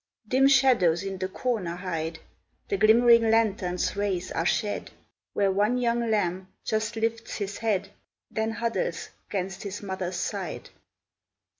Dim shadows in the corner hide; The glimmering lantern's rays are shed Where one young lamb just lifts his head, Then huddles 'gainst his mother's side.